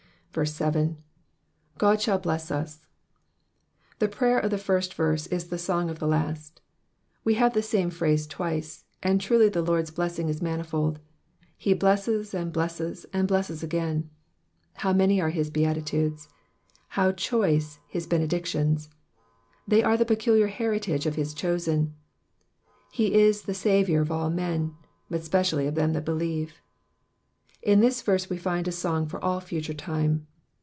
7. *' God shall bless tw." The prayer of the first verse is the song of the last. We have the same phrase twice, and truly the Lord's blessing is manifold ; he blesses and olesses and blesses again. How many are his beatitudes I How choice his benedictions ! They are the peculiar heritage of his chosen. He is the Saviour of all men, but specially of them that believe. In this verse we find a song for all future time.